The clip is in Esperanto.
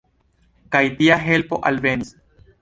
Kaj tia helpo alvenis.